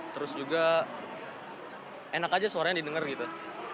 terus juga enak aja suaranya didengar gitu